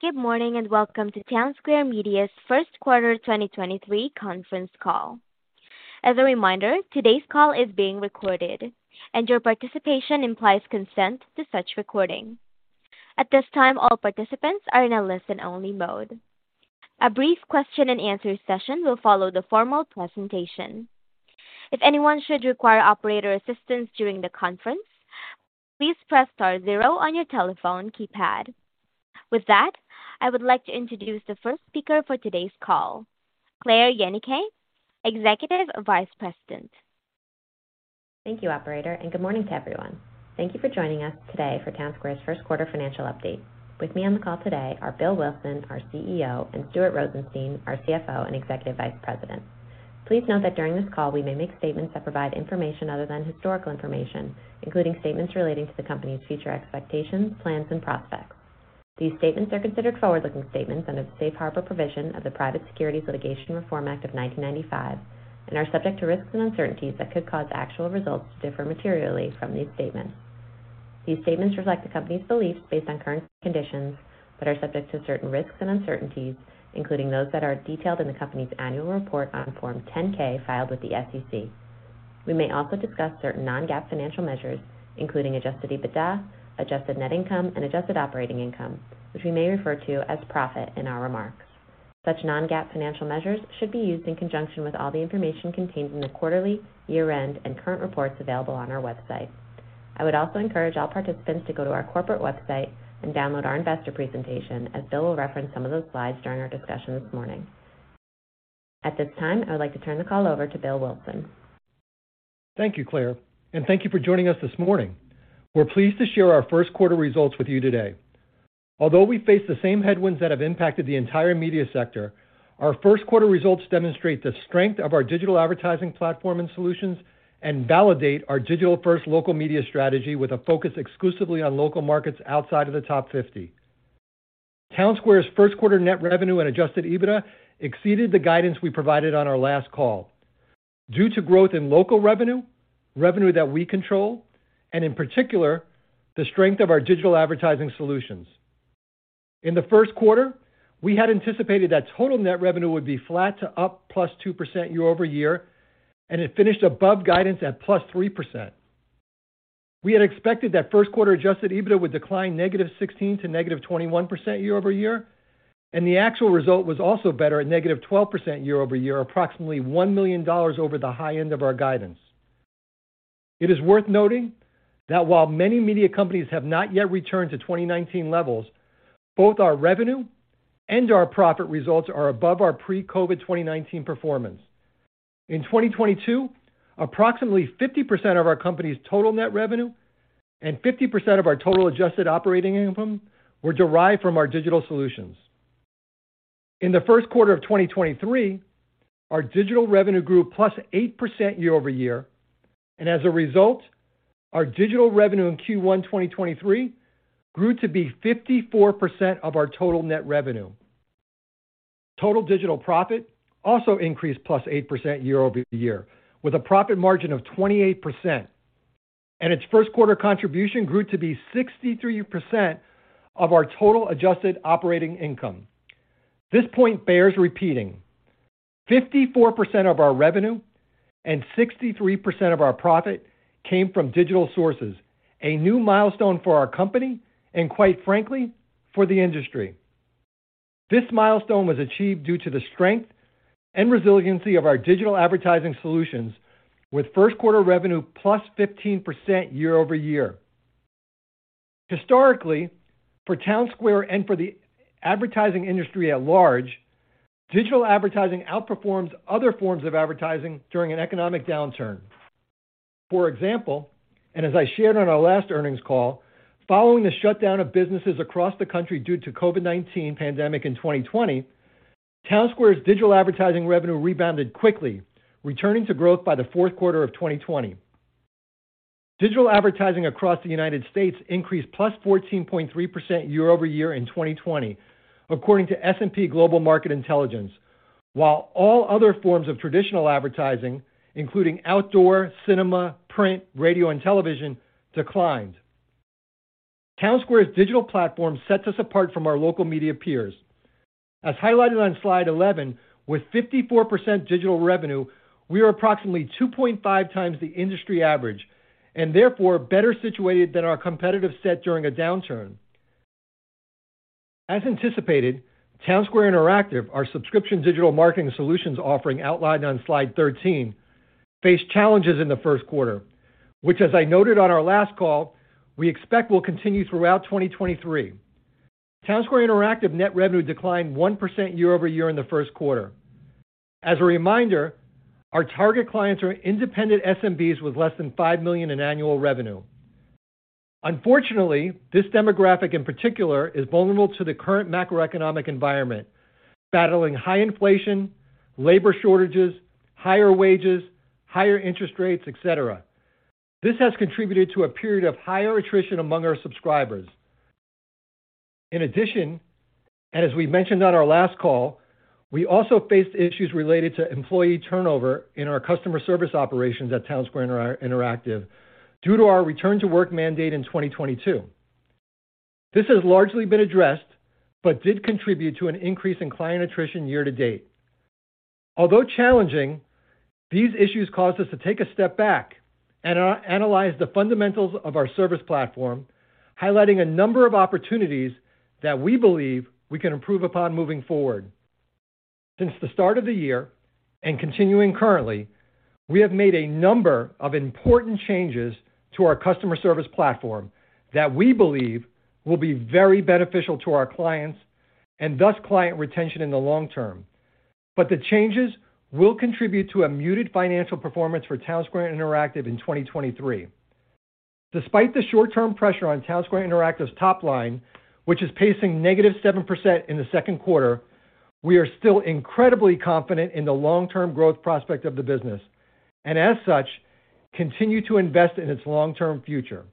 Good morning, and welcome to Townsquare Media's 1st quarter 2023 conference call. As a reminder, today's call is being recorded, and your participation implies consent to such recording. At this time, all participants are in a listen-only mode. A brief question and answer session will follow the formal presentation. If anyone should require operator assistance during the conference, please press star zero on your telephone keypad. With that, I would like to introduce the 1st speaker for today's call, Claire Yenicay, Executive Vice President. Thank you, Operator, and good morning to everyone. Thank you for joining us today for Townsquare's first quarter financial update. With me on the call today are Bill Wilson, our CEO, and Stuart Rosenstein, our CFO, and Executive Vice President. Please note that during this call, we may make statements that provide information other than historical information, including statements relating to the company's future expectations, plans, and prospects. These statements are considered forward-looking statements under the Safe Harbor provision of the Private Securities Litigation Reform Act of 1995 and are subject to risks and uncertainties that could cause actual results to differ materially from these statements. These statements reflect the company's beliefs based on current conditions, but are subject to certain risks and uncertainties, including those that are detailed in the company's annual report on Form 10-K filed with the SEC. We may also discuss certain non-GAAP financial measures, including Adjusted EBITDA, Adjusted Net Income, and Adjusted Operating Income, which we may refer to as profit in our remarks. Such non-GAAP financial measures should be used in conjunction with all the information contained in the quarterly, year-end, and current reports available on our website. I would also encourage all participants to go to our corporate website and download our investor presentation as Bill will reference some of those slides during our discussion this morning. At this time, I would like to turn the call over to Bill Wilson. Thank you, Claire. Thank you for joining us this morning. We're pleased to share our first quarter results with you today. Although we face the same headwinds that have impacted the entire media sector, our first quarter results demonstrate the strength of our digital advertising platform and solutions and validate our digital-first local media strategy with a focus exclusively on local markets outside of the top 50. Townsquare's first quarter net revenue and Adjusted EBITDA exceeded the guidance we provided on our last call. Due to growth in local revenue that we control, and in particular, the strength of our digital advertising solutions. In the first quarter, we had anticipated that total net revenue would be flat to up +2% year-over-year, and it finished above guidance at +3%. We had expected that first quarter Adjusted EBITDA would decline -16% to -21% year-over-year, and the actual result was also better at -12% year-over-year, approximately $1 million over the high end of our guidance. It is worth noting that while many media companies have not yet returned to 2019 levels, both our revenue and our profit results are above our pre-COVID 2019 performance. In 2022, approximately 50% of our company's total net revenue and 50% of our total Adjusted Operating Income were derived from our digital solutions. In the first quarter of 2023, our digital revenue grew +8% year-over-year, and as a result, our digital revenue in Q1 2023 grew to be 54% of our total net revenue. Total digital profit also increased +8% year-over-year with a profit margin of 28%. Its first quarter contribution grew to be 63% of our total Adjusted Operating Income. This point bears repeating. 54% of our revenue and 63% of our profit came from digital sources, a new milestone for our company and quite frankly, for the industry. This milestone was achieved due to the strength and resiliency of our digital advertising solutions with first quarter revenue +15% year-over-year. Historically, for Townsquare and for the advertising industry at large, digital advertising outperforms other forms of advertising during an economic downturn. For example, as I shared on our last earnings call, following the shutdown of businesses across the country due to COVID-19 pandemic in 2020, Townsquare's digital advertising revenue rebounded quickly, returning to growth by the fourth quarter of 2020. Digital advertising across the United States increased +14.3% year-over-year in 2020 according to S&P Global Market Intelligence. While all other forms of traditional advertising, including outdoor, cinema, print, radio, and television declined. Townsquare's digital platform sets us apart from our local media peers. As highlighted on slide 11, with 54% digital revenue, we are approximately 2.5x the industry average and therefore better situated than our competitive set during a downturn. As anticipated, Townsquare Interactive, our subscription digital marketing solutions offering outlined on slide 13, faced challenges in the first quarter, which as I noted on our last call, we expect will continue throughout 2023. Townsquare Interactive net revenue declined 1% year-over-year in the first quarter. As a reminder, our target clients are independent SMBs with less than $5 million in annual revenue. Unfortunately, this demographic in particular is vulnerable to the current macroeconomic environment, battling high inflation, labor shortages, higher wages, higher interest rates, etc. This has contributed to a period of higher attrition among our subscribers. In addition, as we mentioned on our last call, we also faced issues related to employee turnover in our customer service operations at Townsquare Interactive due to our return-to-work mandate in 2022. This has largely been addressed, but did contribute to an increase in client attrition year to date. Although challenging, these issues caused us to take a step back and analyze the fundamentals of our service platform, highlighting a number of opportunities that we believe we can improve upon moving forward. Since the start of the year and continuing currently, we have made a number of important changes to our customer service platform that we believe will be very beneficial to our clients and thus client retention in the long term. The changes will contribute to a muted financial performance for Townsquare Interactive in 2023. Despite the short-term pressure on Townsquare Interactive's top line, which is pacing -7% in the second quarter, we are still incredibly confident in the long-term growth prospect of the business. As such, continue to invest in its long-term future.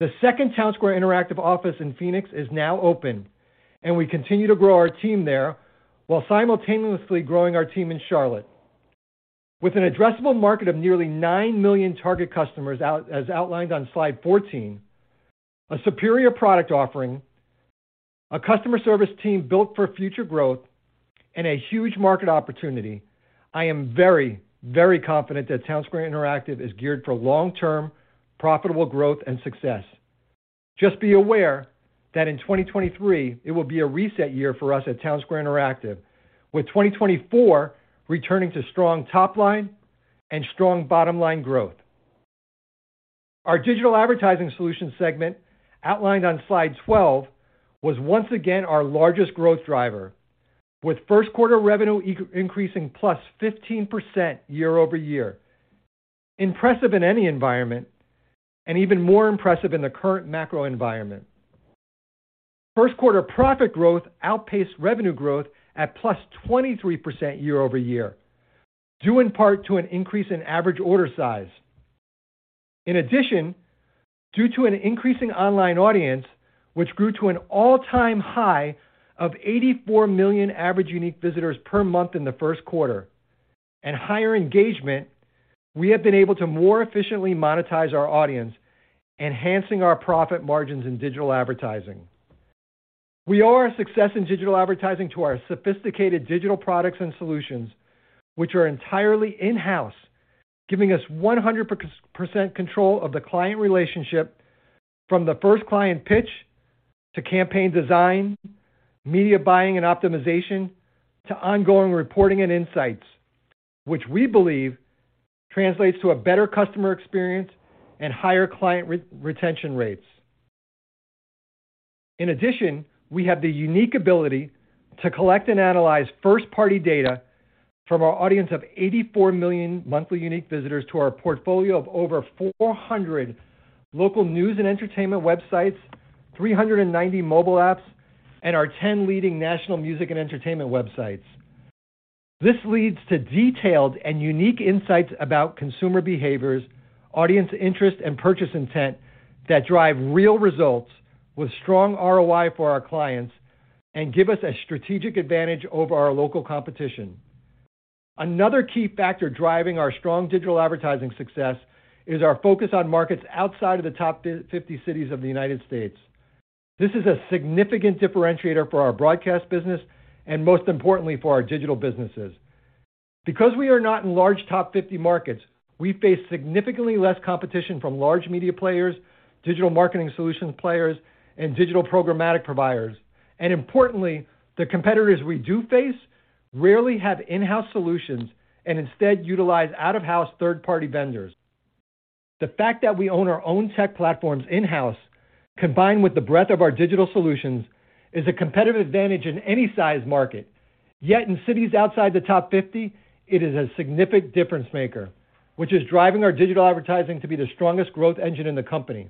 The second Townsquare Interactive office in Phoenix is now open, and we continue to grow our team there while simultaneously growing our team in Charlotte. With an addressable market of nearly 9 million target customers as outlined on slide 14, a superior product offering, a customer service team built for future growth, and a huge market opportunity, I am very, very confident that Townsquare Interactive is geared for long-term, profitable growth and success. Just be aware that in 2023, it will be a reset year for us at Townsquare Interactive, with 2024 returning to strong top line and strong bottom line growth. Our digital advertising solutions segment outlined on slide 12, was once again our largest growth driver, with first quarter revenue increasing +15% year-over-year. Impressive in any environment and even more impressive in the current macro environment. First quarter profit growth outpaced revenue growth at +23% year-over-year, due in part to an increase in average order size. In addition, due to an increasing online audience, which grew to an all-time high of 84 million average unique visitors per month in the first quarter and higher engagement, we have been able to more efficiently monetize our audience, enhancing our profit margins in digital advertising. We owe our success in digital advertising to our sophisticated digital products and solutions, which are entirely in-house, giving us 100% control of the client relationship from the first client pitch to campaign design, media buying and optimization, to ongoing reporting and insights, which we believe translates to a better customer experience and higher client re-retention rates. In addition, we have the unique ability to collect and analyze first-party data from our audience of 84 million monthly unique visitors to our portfolio of over 400 local news and entertainment websites, 390 mobile apps, and our 10 leading national music and entertainment websites. This leads to detailed and unique insights about consumer behaviors, audience interest, and purchase intent that drive real results with strong ROI for our clients and give us a strategic advantage over our local competition. Another key factor driving our strong digital advertising success is our focus on markets outside of the top 50 cities of the United States. This is a significant differentiator for our broadcast business and most importantly, for our digital businesses. Because we are not in large top 50 markets, we face significantly less competition from large media players, digital marketing solutions players, and digital programmatic providers. Importantly, the competitors we do face rarely have in-house solutions and instead utilize out-of-house third-party vendors. The fact that we own our own tech platforms in-house, combined with the breadth of our digital solutions, is a competitive advantage in any size market. Yet in cities outside the top 50, it is a significant difference maker, which is driving our digital advertising to be the strongest growth engine in the company.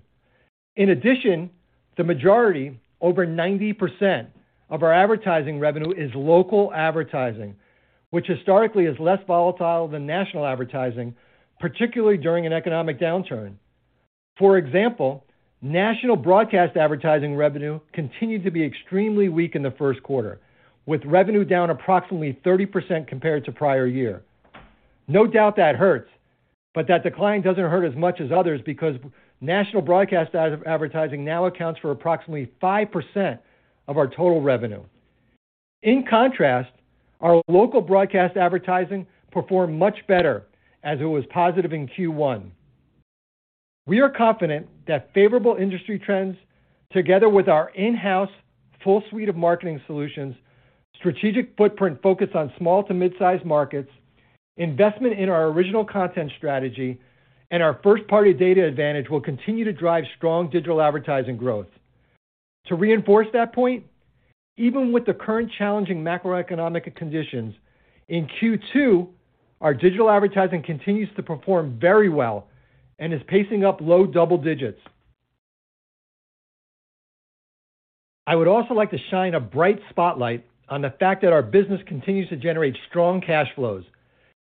In addition, the majority, over 90% of our advertising revenue is local advertising, which historically is less volatile than national advertising, particularly during an economic downturn. For example, national broadcast advertising revenue continued to be extremely weak in the first quarter, with revenue down approximately 30% compared to prior year. No doubt that hurts, but that decline doesn't hurt as much as others because national broadcast advertising now accounts for approximately 5% of our total revenue. In contrast, our local broadcast advertising performed much better as it was positive in Q1. We are confident that favorable industry trends, together with our in-house full suite of marketing solutions, strategic footprint focus on small to mid-size markets, investment in our original content strategy, and our first-party data advantage will continue to drive strong digital advertising growth. To reinforce that point, even with the current challenging macroeconomic conditions, in Q2, our digital advertising continues to perform very well and is pacing up low double digits. I would also like to shine a bright spotlight on the fact that our business continues to generate strong cash flows,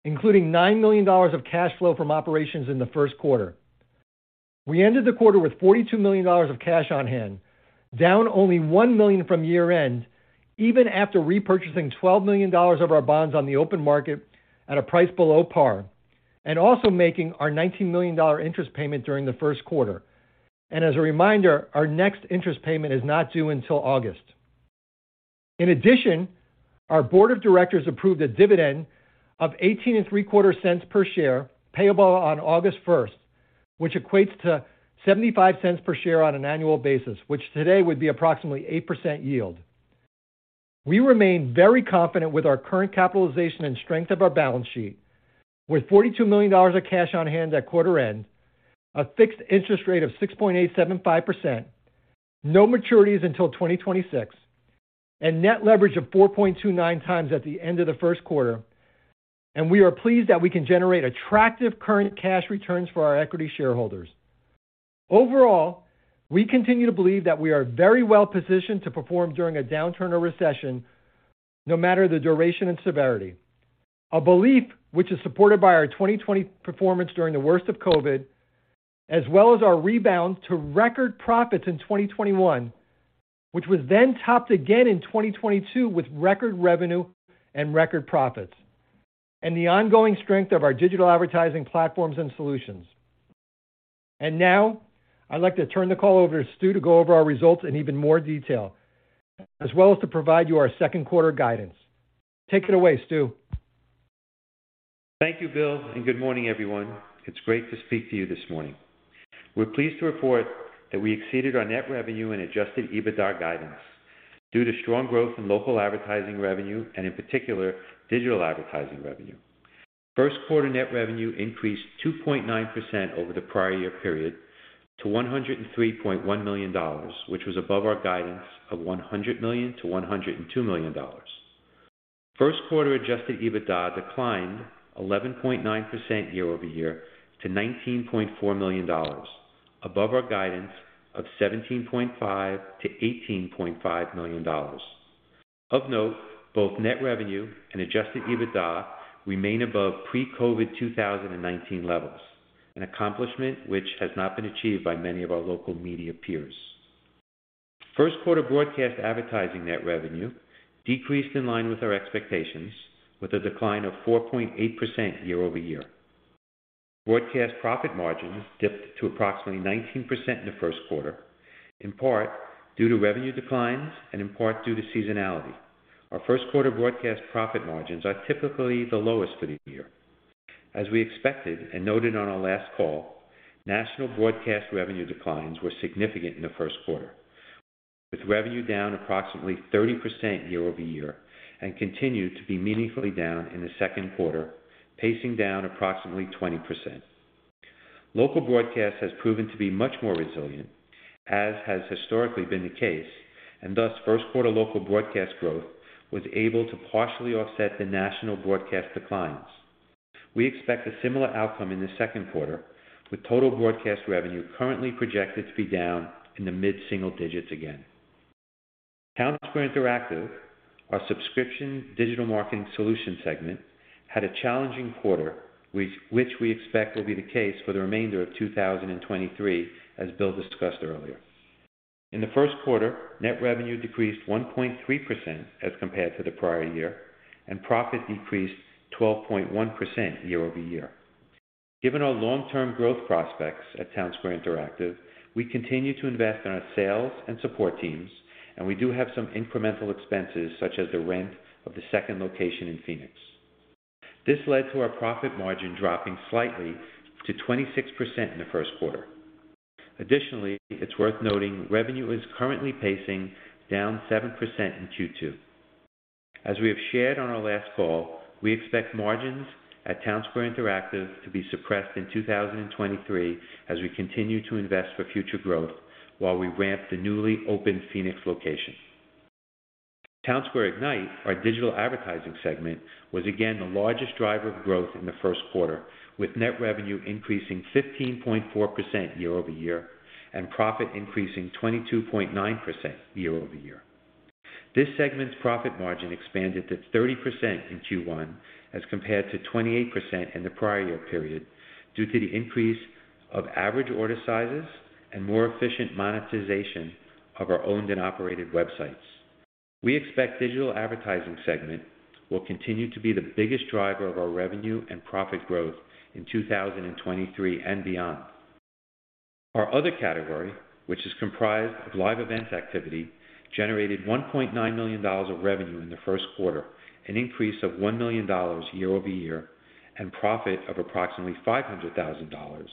including $9 million of cash flow from operations in the first quarter. We ended the quarter with $42 million of cash on hand, down only $1 million from year-end, even after repurchasing $12 million of our bonds on the open market at a price below par and also making our $19 million interest payment during the first quarter. As a reminder, our next interest payment is not due until August. In addition, our board of directors approved a dividend of $0.1875 per share payable on August 1st, which equates to $0.75 per share on an annual basis, which today would be approximately 8% yield. We remain very confident with our current capitalization and strength of our balance sheet with $42 million of cash on hand at quarter end, a fixed interest rate of 6.875%, no maturities until 2026, and net leverage of 4.29 times at the end of the First Quarter. We are pleased that we can generate attractive current cash returns for our equity shareholders. Overall, we continue to believe that we are very well positioned to perform during a downturn or recession, no matter the duration and severity. A belief which is supported by our 2020 performance during the worst of COVID-19, as well as our rebound to record profits in 2021, which was then topped again in 2022 with record revenue and record profits, and the ongoing strength of our digital advertising platforms and solutions. Now, I'd like to turn the call over to Stu to go over our results in even more detail, as well as to provide you our second quarter guidance. Take it away, Stu. Thank you, Bill. Good morning, everyone. It's great to speak to you this morning. We're pleased to report that we exceeded our net revenue and Adjusted EBITDA guidance due to strong growth in local advertising revenue and in particular, digital advertising revenue. First quarter net revenue increased 2.9% over the prior year period to $103.1 million, which was above our guidance of $100 million-$102 million. First quarter Adjusted EBITDA declined 11.9% year-over-year to $19.4 million above our guidance of $17.5 million-$18.5 million. Of note, both net revenue and Adjusted EBITDA remain above pre-COVID-19 2019 levels, an accomplishment which has not been achieved by many of our local media peers. First quarter broadcast advertising net revenue decreased in line with our expectations with a decline of 4.8% year-over-year. Broadcast profit margins dipped to approximately 19% in the first quarter, in part due to revenue declines and in part due to seasonality. Our first quarter broadcast profit margins are typically the lowest for the year. As we expected and noted on our last call, national broadcast revenue declines were significant in the first quarter, with revenue down approximately 30% year-over-year and continued to be meaningfully down in the second quarter, pacing down approximately 20%. Thus first quarter local broadcast growth was able to partially offset the national broadcast declines. We expect a similar outcome in the second quarter, with total broadcast revenue currently projected to be down in the mid-single digits again. Townsquare Interactive, our subscription digital marketing solution segment, had a challenging quarter, which we expect will be the case for the remainder of 2023, as Bill discussed earlier. In the first quarter, net revenue decreased 1.3% as compared to the prior year, and profit decreased 12.1% year-over-year. Given our long-term growth prospects at Townsquare Interactive, we continue to invest in our sales and support teams, and we do have some incremental expenses, such as the rent of the second location in Phoenix. This led to our profit margin dropping slightly to 26% in the first quarter. Additionally, it's worth noting revenue is currently pacing down 7% in Q2. As we have shared on our last call, we expect margins at Townsquare Interactive to be suppressed in 2023 as we continue to invest for future growth while we ramp the newly opened Phoenix location. Townsquare Ignite, our digital advertising segment, was again the largest driver of growth in the first quarter, with net revenue increasing 15.4% year-over-year and profit increasing 22.9% year-over-year. This segment's profit margin expanded to 30% in Q1 as compared to 28% in the prior year period due to the increase of average order sizes and more efficient monetization of our owned and operated websites. We expect digital advertising segment will continue to be the biggest driver of our revenue and profit growth in 2023 and beyond. Our other category, which is comprised of live events activity, generated $1.9 million of revenue in the first quarter, an increase of $1 million year-over-year, and profit of approximately $500,000,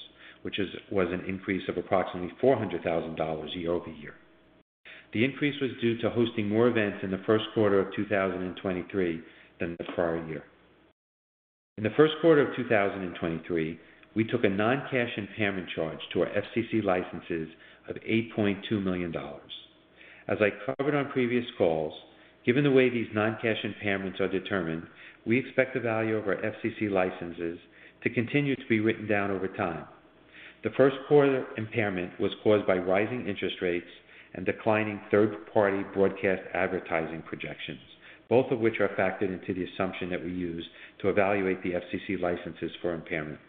which was an increase of approximately $400,000 year-over-year. The increase was due to hosting more events in the first quarter of 2023 than the prior year. In the first quarter of 2023, we took a non-cash impairment charge to our FCC licenses of $8.2 million. As I covered on previous calls, given the way these non-cash impairments are determined, we expect the value of our FCC licenses to continue to be written down over time. The first quarter impairment was caused by rising interest rates and declining third-party broadcast advertising projections, both of which are factored into the assumption that we use to evaluate the FCC licenses for impairment.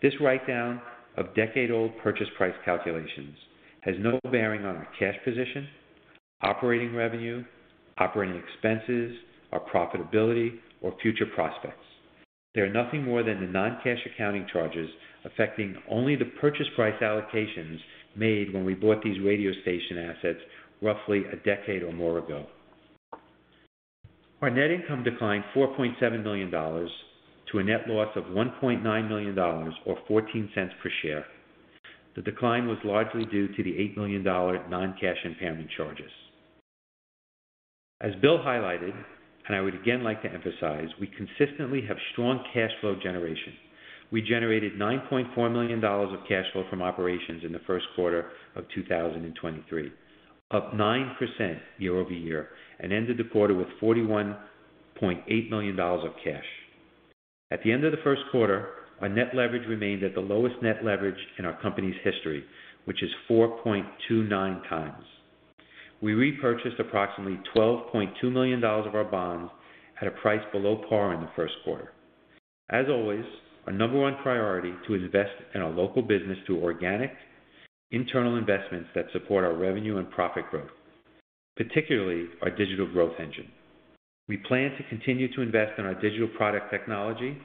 This write-down of decade-old purchase price calculations has no bearing on our cash position, operating revenue, operating expenses, our profitability, or future prospects. They are nothing more than the non-cash accounting charges affecting only the purchase price allocations made when we bought these radio station assets roughly a decade or more ago. Our net income declined $4.7 million to a net loss of $1.9 million, or $0.14 per share. The decline was largely due to the $8 million non-cash impairment charges. As Bill highlighted, and I would again like to emphasize, we consistently have strong cash flow generation. We generated $9.4 million of cash flow from operations in the first quarter of 2023, up 9% year-over-year, and ended the quarter with $41.8 million of cash. At the end of the first quarter, our net leverage remained at the lowest net leverage in our company's history, which is 4.29 times. We repurchased approximately $12.2 million of our bonds at a price below par in the first quarter. As always, our number one priority to invest in our local business through organic internal investments that support our revenue and profit growth, particularly our digital growth engine. We plan to continue to invest in our digital product technology,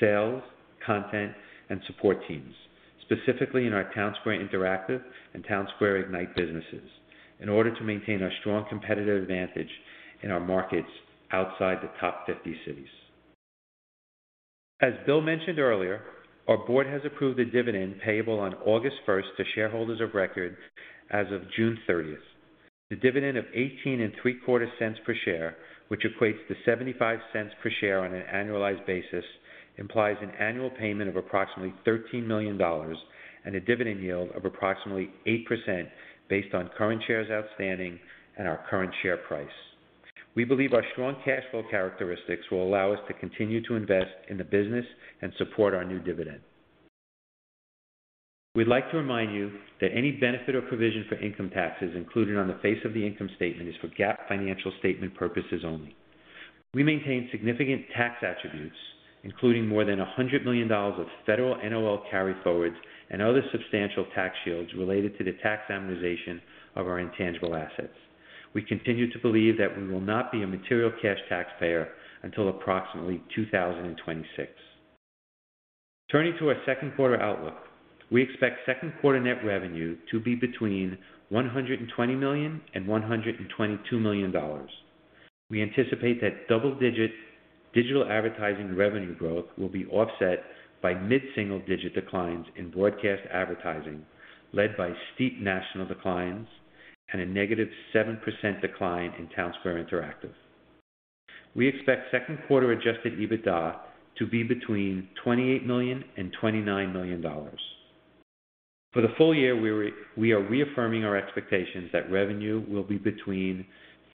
sales, content, and support teams, specifically in our Townsquare Interactive and Townsquare Ignite businesses, in order to maintain our strong competitive advantage in our markets outside the top 50 cities. As Bill mentioned earlier, our board has approved a dividend payable on August 1st to shareholders of record as of June 30th. The dividend of $0.1875 per share, which equates to $0.75 per share on an annualized basis, implies an annual payment of approximately $13 million and a dividend yield of approximately 8% based on current shares outstanding and our current share price. We believe our strong cash flow characteristics will allow us to continue to invest in the business and support our new dividend. We'd like to remind you that any benefit or provision for income taxes included on the face of the income statement is for GAAP financial statement purposes only. We maintain significant tax attributes, including more than $100 million of federal NOL carryforwards and other substantial tax shields related to the tax amortization of our intangible assets. We continue to believe that we will not be a material cash taxpayer until approximately 2026. Turning to our second quarter outlook, we expect second quarter net revenue to be between $120 million and $122 million. We anticipate that double-digit digital advertising revenue growth will be offset by mid-single digit declines in broadcast advertising, led by steep national declines and a -7% decline in Townsquare Interactive. We expect second quarter Adjusted EBITDA to be between $28 million and $29 million. For the full year, we are reaffirming our expectations that revenue will be between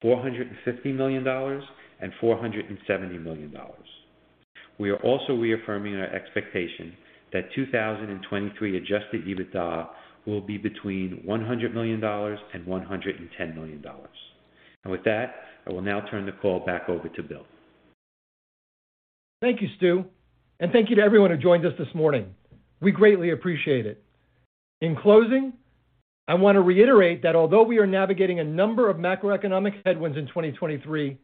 $450 million and $470 million. We are also reaffirming our expectation that 2023 Adjusted EBITDA will be between $100 million and $110 million. With that, I will now turn the call back over to Bill. Thank you, Stu, and thank you to everyone who joined us this morning. We greatly appreciate it. In closing, I want to reiterate that although we are navigating a number of macroeconomic headwinds in 2023,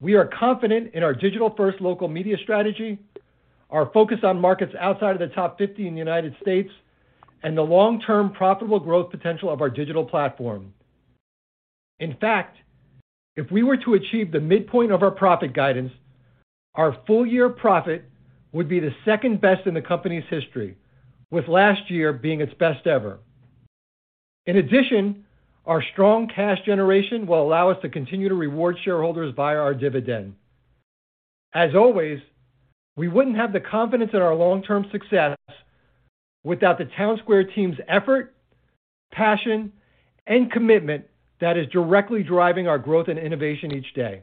we are confident in our digital-first local media strategy, our focus on markets outside of the top 50 in the United States, and the long-term profitable growth potential of our digital platform. In fact, if we were to achieve the midpoint of our profit guidance, our full year profit would be the second best in the company's history, with last year being its best ever. In addition, our strong cash generation will allow us to continue to reward shareholders via our dividend. As always, we wouldn't have the confidence in our long-term success without the Townsquare team's effort, passion, and commitment that is directly driving our growth and innovation each day.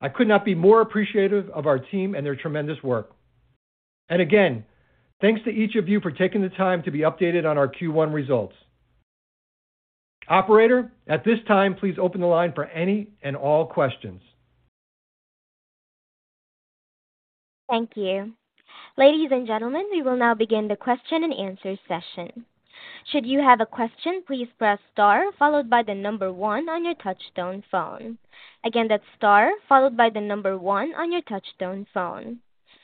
I could not be more appreciative of our team and their tremendous work. Again, thanks to each of you for taking the time to be updated on our Q1 results. Operator, at this time, please open the line for any and all questions. Thank you. Ladies and gentlemen, we will now begin the question-and-answer session. Should you have a question, please press star followed by 1 on your touchtone phone. Again, that's star followed by 1 on your touchtone phone.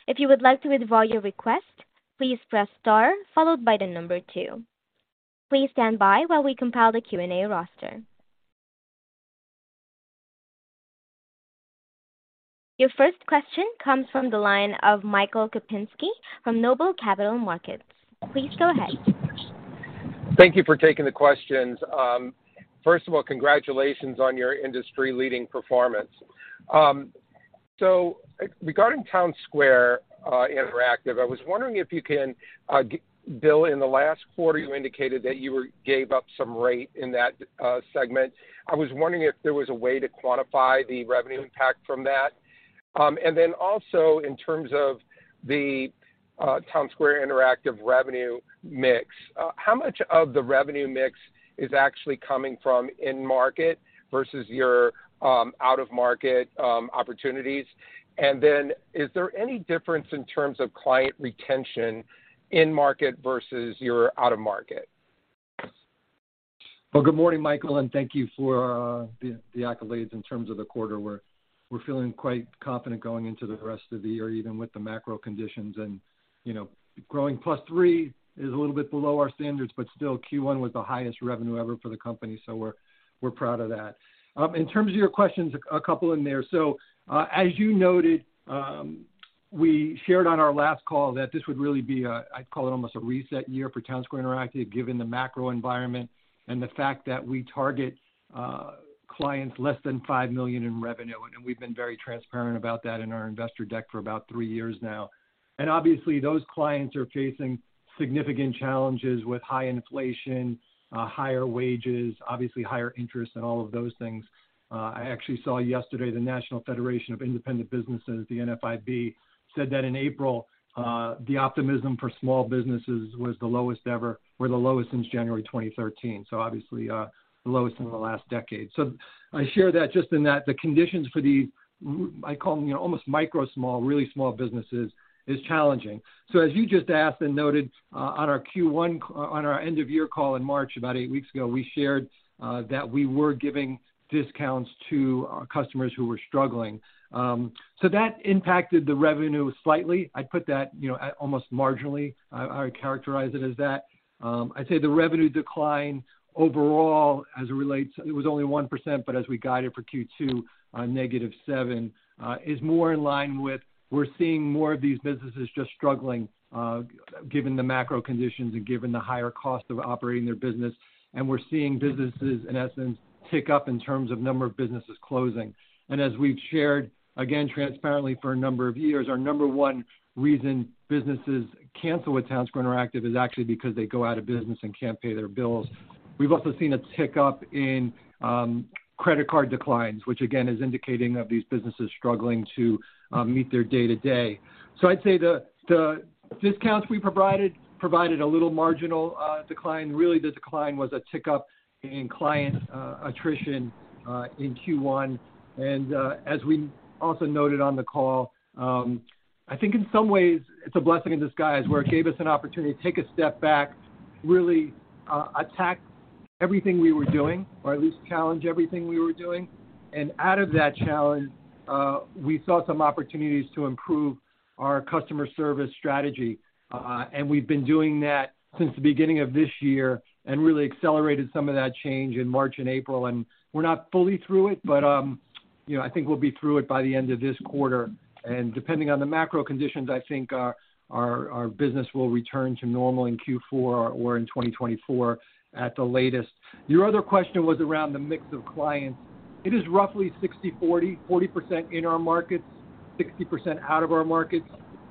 If you would like to withdraw your request, please press star followed by 2. Please stand by while we compile the Q&A roster. Your first question comes from the line of Michael Kupinski from Noble Capital Markets. Please go ahead. Thank you for taking the questions. First of all, congratulations on your industry-leading performance. Regarding Townsquare Interactive, I was wondering if you can, Bill, in the last quarter, you indicated that you gave up some rate in that segment. I was wondering if there was a way to quantify the revenue impact from that. Also in terms of the Townsquare Interactive revenue mix, how much of the revenue mix is actually coming from in market versus your out-of-market opportunities? Is there any difference in terms of client retention in market versus your out-of-market? Well, good morning, Michael, thank you for the accolades in terms of the quarter. We're feeling quite confident going into the rest of the year, even with the macro conditions and growing +3 is a little bit below our standards, but still Q1 was the highest revenue ever for the company, we're proud of that. In terms of your questions, a couple in there. As you noted, we shared on our last call that this would really be I'd call it almost a reset year for Townsquare Interactive given the macro environment and the fact that we target clients less than $5 million in revenue. We've been very transparent about that in our investor deck for about three years now. Obviously, those clients are facing significant challenges with high inflation, higher wages, obviously higher interest and all of those things. I actually saw yesterday the National Federation of Independent Business, the NFIB, said that in April, the optimism for small businesses was the lowest ever or the lowest since January 2013. Obviously, the lowest in the last decade. I share that just in that the conditions for the I call them almost micro small, really small businesses, is challenging. As you just asked and noted, on our Q1 on our end of year call in March, about 8 weeks ago, we shared that we were giving discounts to our customers who were struggling. That impacted the revenue slightly. I'd put that almost marginally. I characterize it as that. I'd say the revenue decline overall as it relates, it was only 1%, but as we guided for Q2, -7% is more in line with we're seeing more of these businesses just struggling, given the macro conditions and given the higher cost of operating their business. We're seeing businesses in essence tick up in terms of number of businesses closing. As we've shared, again, transparently for a number of years, our number one reason businesses cancel with Townsquare Interactive is actually because they go out of business and can't pay their bills. We've also seen a tick up in credit card declines, which again is indicating of these businesses struggling to meet their day-to-day. I'd say the discounts we provided provided a little marginal decline. Really the decline was a tick up in client, attrition, in Q1. As we also noted on the call, I think in some ways it's a blessing in disguise where it gave us an opportunity to take a step back, really, attack everything we were doing, or at least challenge everything we were doing. Out of that challenge, we saw some opportunities to improve our customer service strategy. We've been doing that since the beginning of this year and really accelerated some of that change in March and April. We're not fully through it, but I think we'll be through it by the end of this quarter. Depending on the macro conditions, I think our, our business will return to normal in Q4 or in 2024 at the latest. Your other question was around the mix of clients. It is roughly 60/40% in our markets, 60% out of our markets,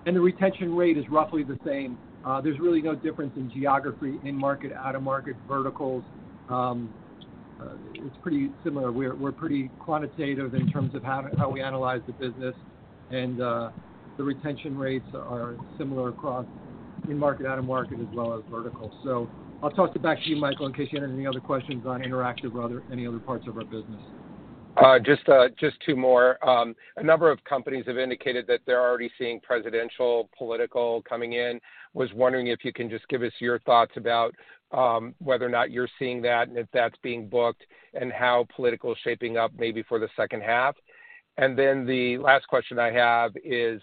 and the retention rate is roughly the same. There's really no difference in geography, in market, out-of-market, verticals. It's pretty similar. We're pretty quantitative in terms of how we analyze the business, and the retention rates are similar across in market, out-of-market, as well as verticals. I'll toss it back to you, Michael, in case you had any other questions on Interactive or other, any other parts of our business. Just 2 more. A number of companies have indicated that they're already seeing presidential political coming in. Was wondering if you can just give us your thoughts about whether or not you're seeing that and if that's being booked and how political is shaping up maybe for the second half. The last question I have is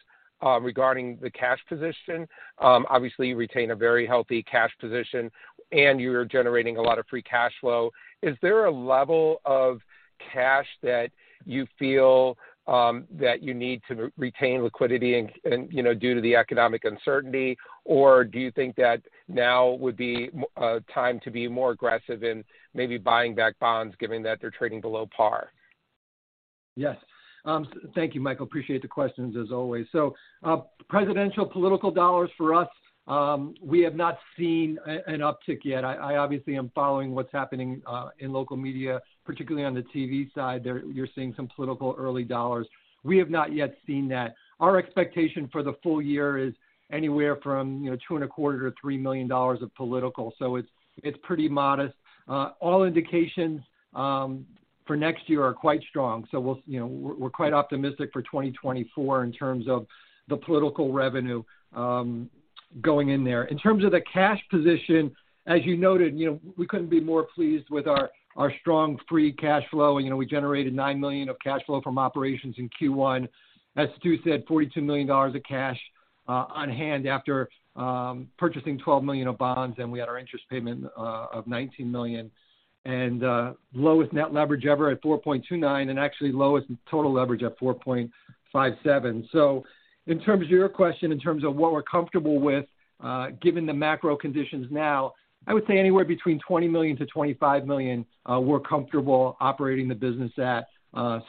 regarding the cash position. Obviously you retain a very healthy cash position and you're generating a lot of free cash flow. Is there a level of cash that you feel that you need to retain liquidity and due to the economic uncertainty? Do you think that now would be time to be more aggressive in maybe buying back bonds given that they're trading below par? Yes. Thank you, Michael. Appreciate the questions as always. Presidential political dollars for us, we have not seen an uptick yet. I obviously am following what's happening in local media, particularly on the TV side. There you're seeing some political early dollars. We have not yet seen that. Our expectation for the full year is anywhere from $2.25 million-$3 million of political. It's pretty modest. All indications for next year are quite strong. we'll we're quite optimistic for 2024 in terms of the political revenue going in there. In terms of the cash position, as you noted we couldn't be more pleased with our strong free cash flow., we generated $9 million of cash flow from operations in Q1. As Stu said, $42 million of cash on hand after purchasing $12 million of bonds, and we had our interest payment of $19 million. Lowest net leverage ever at 4.29, and actually lowest total leverage at 4.57. In terms of your question, in terms of what we're comfortable with, given the macro conditions now, I would say anywhere between $20 million-$25 million, we're comfortable operating the business at.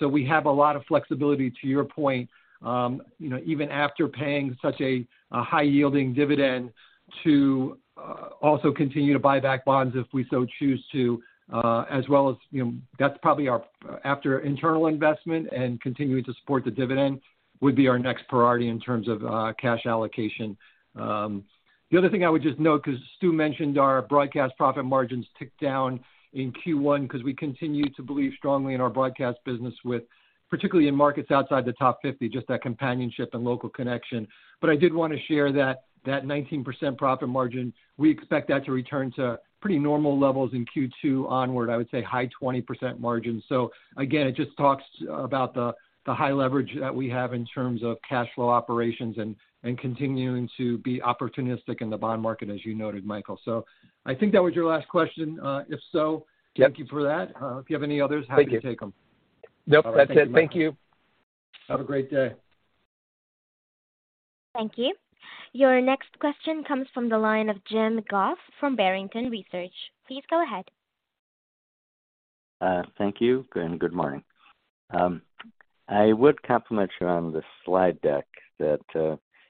We have a lot of flexibility, to your point even after paying such a high-yielding dividend to also continue to buy back bonds if we so choose to, as well as that's probably our after internal investment and continuing to support the dividend would be our next priority in terms of cash allocation. The other thing I would just note, because Stu mentioned our broadcast profit margins ticked down in Q1 because we continue to believe strongly in our broadcast business with particularly in markets outside the top 50, just that companionship and local connection. I did want to share that that 19% profit margin, we expect that to return to pretty normal levels in Q2 onward. I would say high 20% margins. Again, it just talks about the high leverage that we have in terms of cash flow operations and continuing to be opportunistic in the bond market, as you noted, Michael. I think that was your last question. If so- Yep. Thank you for that. If you have any others- Thank you. Happy to take them. Nope. Thank you. All right. Thank you, Michael. Thank you. Have a great day. Thank you. Your next question comes from the line of Jim Goss from Barrington Research. Please go ahead. Thank you, good morning. I would compliment you on the slide deck that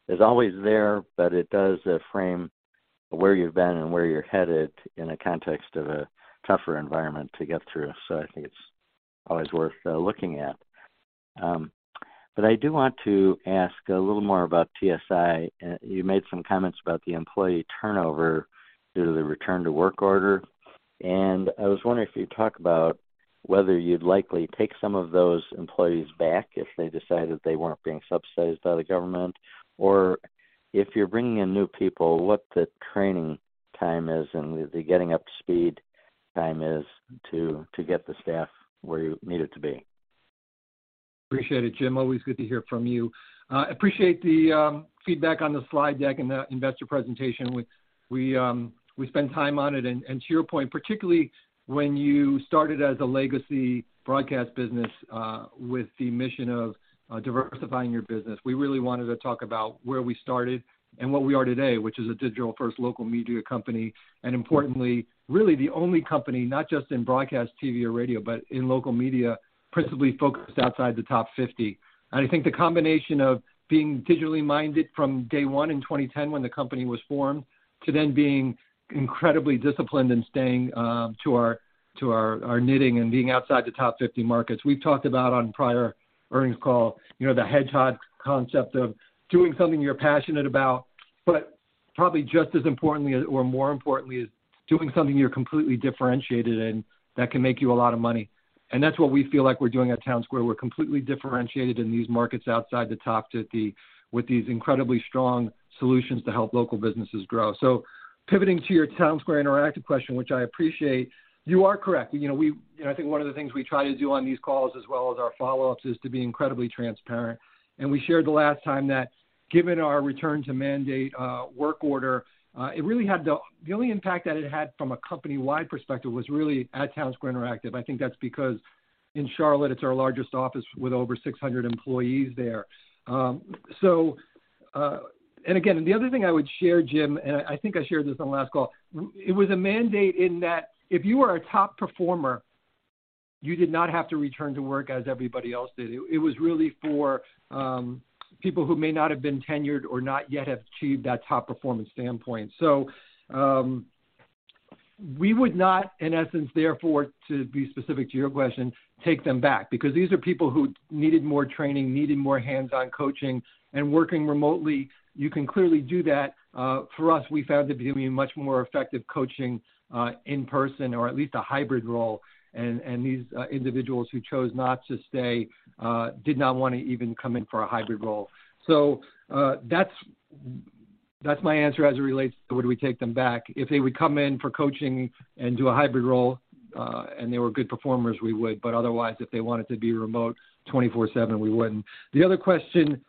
is always there, but it does frame where you've been and where you're headed in a context of a tougher environment to get through. I think it's always worth looking at. I do want to ask a little more about TSI. You made some comments about the employee turnover due to the return-to-work order, and I was wondering if you'd talk about whether you'd likely take some of those employees back if they decided they weren't being subsidized by the government, or if you're bringing in new people, what the training time is and the getting up to speed time is to get the staff where you need it to be. Appreciate it, Jim. Always good to hear from you. Appreciate the feedback on the slide deck and the investor presentation. We spend time on it. To your point, particularly when you started as a legacy broadcast business, with the mission of diversifying your business, we really wanted to talk about where we started and what we are today, which is a digital first local media company, and importantly, really the only company, not just in broadcast TV or radio, but in local media, principally focused outside the top 50. I think the combination of being digitally minded from day one in 2010 when the company was formed to then being incredibly disciplined and staying to our knitting and being outside the top 50 markets. We've talked about on prior earnings call the hedgehog concept of doing something you're passionate about, probably just as importantly or more importantly, is doing something you're completely differentiated in that can make you a lot of money. That's what we feel like we're doing at Townsquare. We're completely differentiated in these markets outside the top 50 with these incredibly strong solutions to help local businesses grow. Pivoting to your Townsquare Interactive question, which I appreciate. You are correct., I think one of the things we try to do on these calls as well as our follow-ups, is to be incredibly transparent. We shared the last time that given our return to mandate, work order, it really had the only impact that it had from a company-wide perspective was really at Townsquare Interactive. I think that's because in Charlotte, it's our largest office with over 600 employees there. And again, the other thing I would share, Jim, and I think I shared this on the last call. It was a mandate in that if you were a top performer, you did not have to return to work as everybody else did. It was really for people who may not have been tenured or not yet have achieved that top performance standpoint. We would not in essence, therefore, to be specific to your question, take them back because these are people who needed more training, needed more hands-on coaching. Working remotely, you can clearly do that. For us, we found to be much more effective coaching, in person or at least a hybrid role. These individuals who chose not to stay did not want to even come in for a hybrid role. That's my answer as it relates to would we take them back. If they would come in for coaching and do a hybrid role, and they were good performers, we would. Otherwise, if they wanted to be remote 24/7, we wouldn't. The other question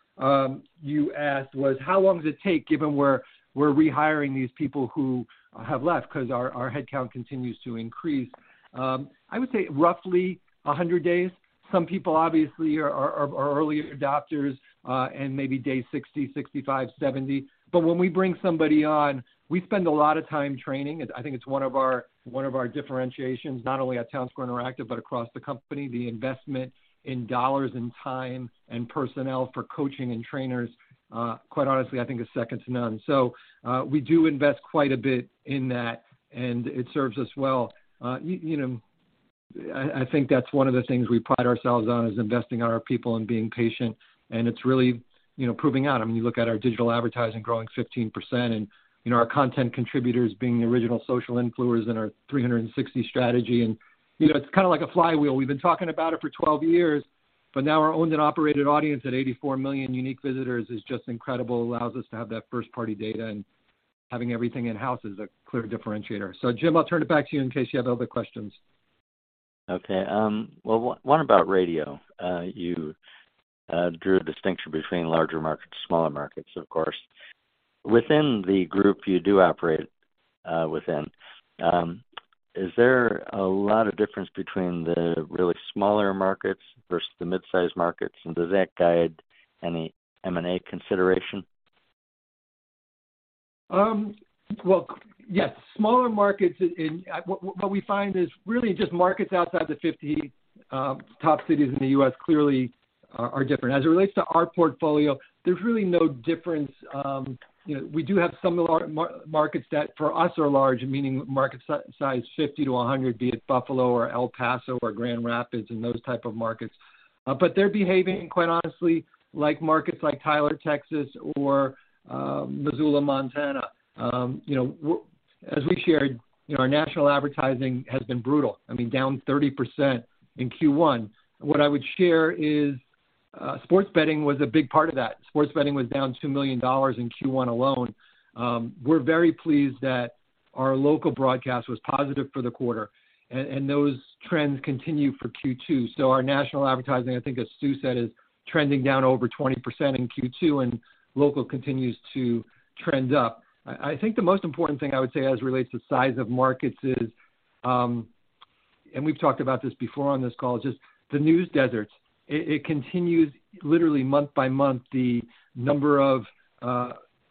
you asked was how long does it take given we're rehiring these people who have left because our headcount continues to increase? I would say roughly 100 days. Some people obviously are early adopters, and maybe day 60, 65, 70. When we bring somebody on, we spend a lot of time training. I think it's one of our, one of our differentiations, not only at Townsquare Interactive but across the company. The investment in dollars and time and personnel for coaching and trainers, quite honestly, I think is second to none. We do invest quite a bit in that, and it serves us well., I think that's one of the things we pride ourselves on, is investing in our people and being patient, and it's really proving out. I mean, you look at our digital advertising growing 15% and our content contributors being the original social influencers in our 360 strategy. , it's kind of like a flywheel. We've been talking about it for 12 years, but now our owned and operated audience at 84 million unique visitors is just incredible. Allows us to have that first-party data, and having everything in-house is a clear differentiator. Jim, I'll turn it back to you in case you have other questions. Okay. Well, one about radio. You drew a distinction between larger markets, smaller markets, of course. Within the group you do operate within, is there a lot of difference between the really smaller markets versus the mid-size markets? Does that guide any M&A consideration? Well, yes. What we find is really just markets outside the 50 top cities in the U.S. clearly are different. As it relates to our portfolio, there's really no difference., we do have some of our markets that for us are large, meaning market size 50 to 100, be it Buffalo or El Paso or Grand Rapids and those type of markets. But they're behaving quite honestly like markets like Tyler, Texas, or Missoula, Montana., as we've shared our national advertising has been brutal, I mean, down 30% in Q1. What I would share is, sports betting was a big part of that. Sports betting was down $2 million in Q1 alone. We're very pleased that our local broadcast was positive for the quarter. Those trends continue for Q2. Our national advertising, I think as Stu said, is trending down over 20% in Q2 and local continues to trend up. I think the most important thing I would say as it relates to size of markets is, we've talked about this before on this call, just the news deserts. It continues literally month by month, the number of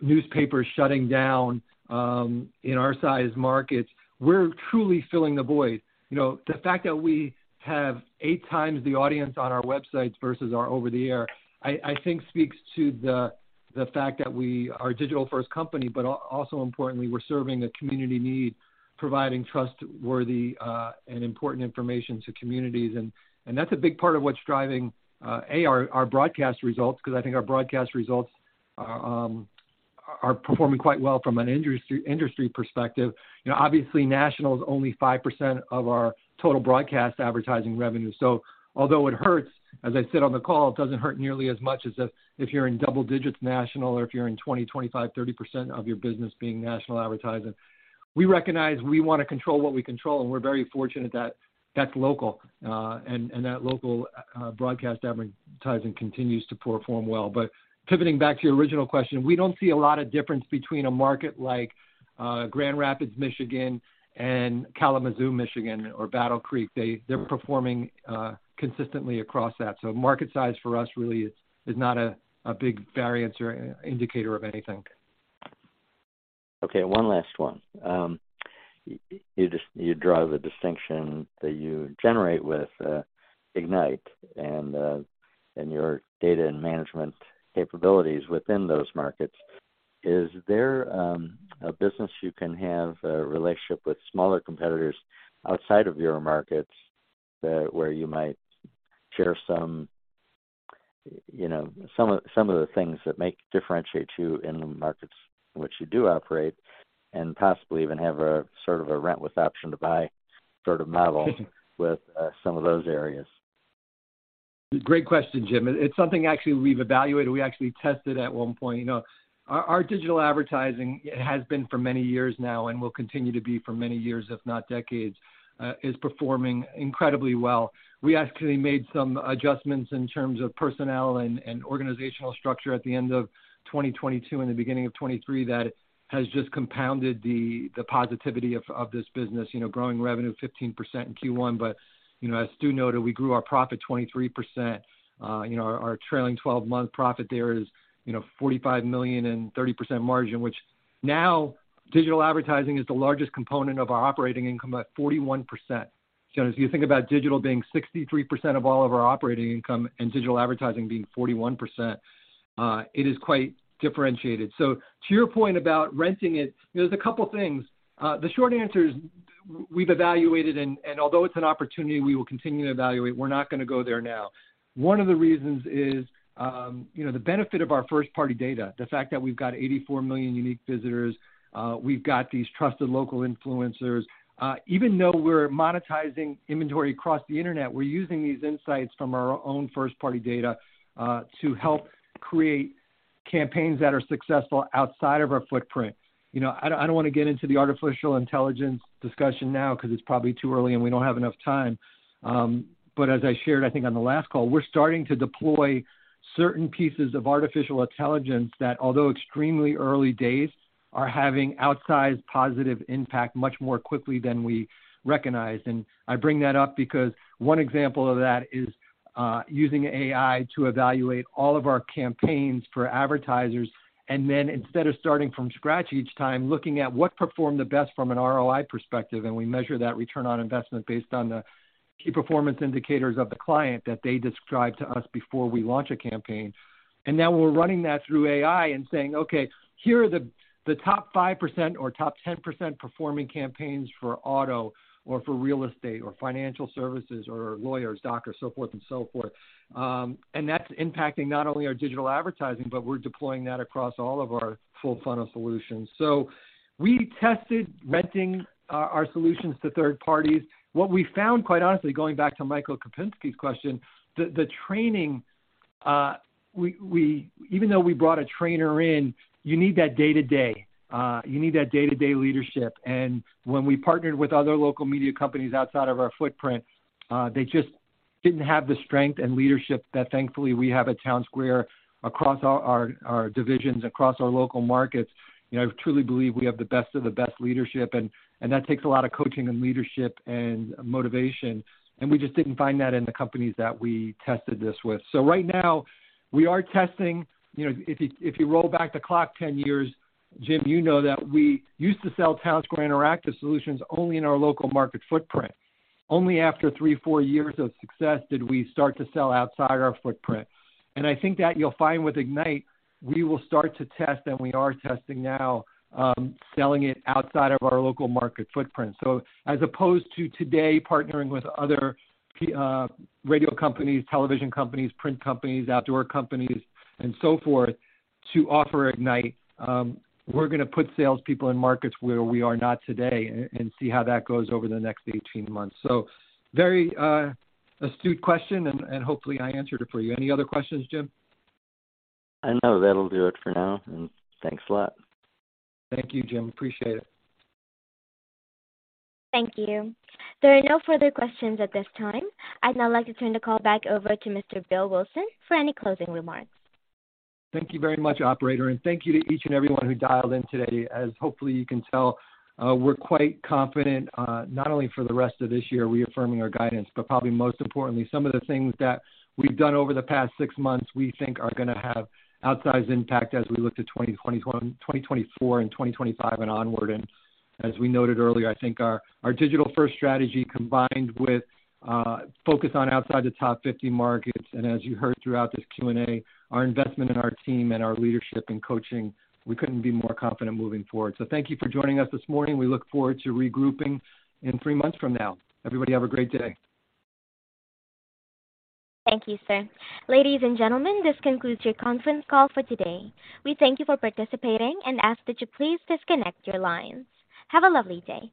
newspapers shutting down in our size markets. We're truly filling the void., the fact that we have 8 times the audience on our websites versus our over the air, I think speaks to the fact that we are a digital-first company, but also importantly, we're serving a community need, providing trustworthy and important information to communities and that's a big part of what's driving our broadcast results 'cause I think our broadcast results are performing quite well from an industry perspective., obviously national is only 5% of our total broadcast advertising revenue. Although it hurts, as I said on the call, it doesn't hurt nearly as much as if you're in double digits national or if you're in 20, 25, 30% of your business being national advertising. We recognize we wanna control what we control, and we're very fortunate that that's local, and that local broadcast advertising continues to perform well. Pivoting back to your original question, we don't see a lot of difference between a market like Grand Rapids, Michigan, and Kalamazoo, Michigan, or Battle Creek. They're performing consistently across that. Market size for us really is not a big variance or indicator of anything. Okay, one last one. You draw the distinction that you generate with Ignite and your data and management capabilities within those markets. Is there a business you can have a relationship with smaller competitors outside of your markets where you might share some some of the things that make differentiate you in the markets which you do operate, and possibly even have a sort of a rent with option to buy sort of model with some of those areas? Great question, Jim. It's something actually we've evaluated. We actually tested at one point., our digital advertising has been for many years now and will continue to be for many years, if not decades, is performing incredibly well. We actually made some adjustments in terms of personnel and organizational structure at the end of 2022 and the beginning of 2023 that has just compounded the positivity of this business growing revenue 15% in Q1. As Stu noted, we grew our profit 23%., our trailing twelve-month profit there is $45 million and 30% margin, which now digital advertising is the largest component of our operating income at 41%. As you think about digital being 63% of all of our operating income and digital advertising being 41%, it is quite differentiated. To your point about renting it, there's a couple things. The short answer is we've evaluated and, although it's an opportunity we will continue to evaluate, we're not gonna go there now. One of the reasons is the benefit of our first-party data. The fact that we've got 84 million unique visitors, we've got these trusted local influencers. Even though we're monetizing inventory across the internet, we're using these insights from our own first-party data to help create campaigns that are successful outside of our footprint., I don't wanna get into the artificial intelligence discussion now 'cause it's probably too early, and we don't have enough time. As I shared, I think on the last call, we're starting to deploy certain pieces of artificial intelligence that, although extremely early days, are having outsized positive impact much more quickly than we recognized. I bring that up because one example of that is using AI to evaluate all of our campaigns for advertisers and then instead of starting from scratch each time, looking at what performed the best from an ROI perspective, and we measure that return on investment based on the key performance indicators of the client that they describe to us before we launch a campaign. Now we're running that through AI and saying, "Okay, here are the top 5% or top 10% performing campaigns for auto or for real estate or financial services or lawyers, doctors, so forth and so forth." That's impacting not only our digital advertising, but we're deploying that across all of our full funnel solutions. We tested renting our solutions to third parties. What we found, quite honestly, going back to Michael Kupinski's question, the training, even though we brought a trainer in, you need that day-to-day. You need that day-to-day leadership. When we partnered with other local media companies outside of our footprint, they just didn't have the strength and leadership that thankfully we have at Townsquare across our divisions, across our local markets. I truly believe we have the best of the best leadership and that takes a lot of coaching and leadership and motivation, and we just didn't find that in the companies that we tested this with. Right now we are testing., if you roll back the clock 10 years, Jim, that we used to sell Townsquare Interactive solutions only in our local market footprint. Only after three, four years of success did we start to sell outside our footprint. I think that you'll find with Ignite, we will start to test, and we are testing now, selling it outside of our local market footprint. As opposed to today partnering with other radio companies, television companies, print companies, outdoor companies, and so forth to offer Ignite, we're gonna put salespeople in markets where we are not today and see how that goes over the next 18 months. Very astute question and hopefully I answered it for you. Any other questions, Jim? No, that'll do it for now, and thanks a lot. Thank you, Jim. Appreciate it. Thank you. There are no further questions at this time. I'd now like to turn the call back over to Mr. Bill Wilson for any closing remarks. Thank you very much, operator, and thank you to each and everyone who dialed in today. As hopefully you can tell, we're quite confident, not only for the rest of this year, reaffirming our guidance, but probably most importantly, some of the things that we've done over the past 6 months we think are gonna have outsized impact as we look to 2021, 2024 and 2025 and onward. As we noted earlier, I think our digital-first strategy combined with focus on outside the top 50 markets, and as you heard throughout this Q&A, our investment in our team and our leadership and coaching, we couldn't be more confident moving forward. Thank you for joining us this morning. We look forward to regrouping in 3 months from now. Everybody, have a great day. Thank you, sir. Ladies and gentlemen, this concludes your conference call for today. We thank you for participating and ask that you please disconnect your lines. Have a lovely day.